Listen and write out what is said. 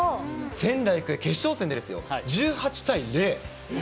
仙台育英、決勝戦でですよ、１８対０。